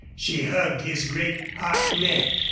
She hugged his great, hot neck.